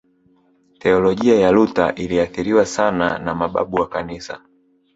Teolojia ya Luther iliathiriwa sana na mababu wa kanisa